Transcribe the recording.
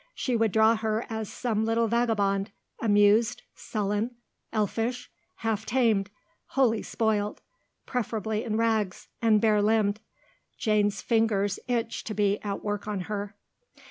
She would draw her as some little vagabond, amused, sullen, elfish, half tamed, wholly spoilt, preferably in rags, and bare limbed Jane's fingers itched to be at work on her.